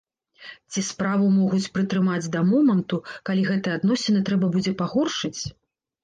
Ці справу могуць прытрымаць да моманту, калі гэтыя адносіны трэба будзе пагоршыць?